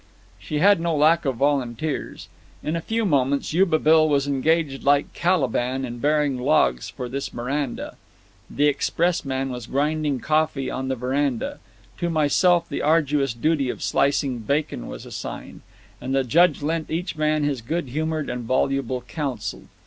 She had no lack of volunteers. In a few moments Yuba Bill was engaged like Caliban in bearing logs for this Miranda; the expressman was grinding coffee on the veranda; to myself the arduous duty of slicing bacon was assigned; and the Judge lent each man his good humored and voluble counsel.